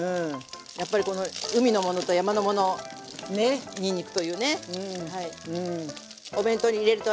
やっぱりこの海のものと山のものにんにくというね。